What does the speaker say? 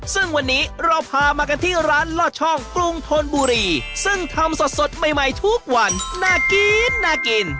ซึ่งวันนี้เราพามากันที่ร้านลอดช่องกรุงธนบุรีซึ่งทำสดใหม่ทุกวันน่ากินน่ากิน